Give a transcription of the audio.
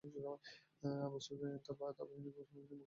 Abu Sufyan তার বাহিনীকে মুসলিম বাহিনীর মুখোমুখি নিয়ে গিয়ে দাঁড় করায়।